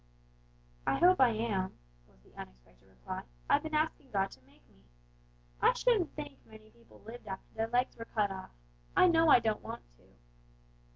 "I hope I am," was the unexpected reply; "I've been asking God to make me. I shouldn't think many people lived after their legs were cut off: I know I don't want to!"